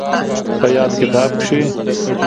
په ياد کتاب کې